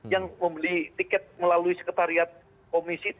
yang membeli tiket melalui sekretariat komisi tiga